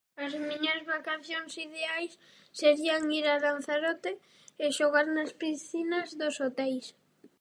As miñas vacacións ideais serían ir a Lanzarote e xogas nas piscinas dos hoteis.